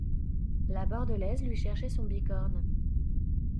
La Bordelaise lui cherchait son bicorne.